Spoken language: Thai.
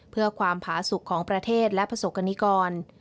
เพื่อความผาสุขของประเทศและประสบกรณิกร